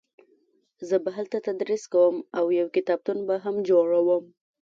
زه به هلته تدریس کوم او یو کتابتون به هم جوړوم